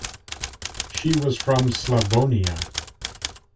She was from Slavonia.